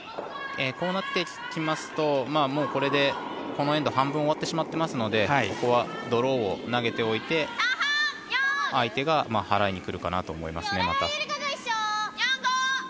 こうなってきますとこのエンドは半分終わってしまっていますのでここはドローを投げておいて相手がまた払いに来るかなと思いますね。